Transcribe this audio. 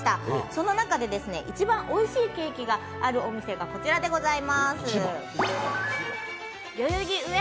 その中で、一番おいしいケーキがあるお店がこちらでございます。